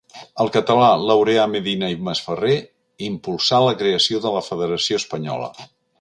El català Laureà Medina i Masferrer impulsà la creació de la Federació Espanyola.